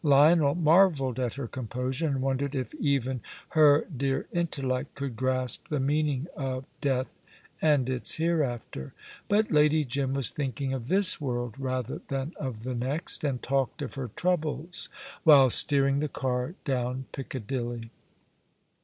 Lionel marvelled at her composure, and wondered if even her dear intellect could grasp the meaning of death and its hereafter. But Lady Jim was thinking of this world rather than of the next, and talked of her troubles while steering the car down Piccadilly.